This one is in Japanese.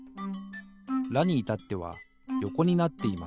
「ラ」にいたってはよこになっています。